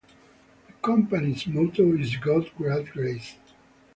The Company's motto is "God Grant Grace".